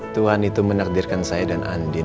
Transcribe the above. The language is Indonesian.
tuhan itu menakdirkan saya dan andin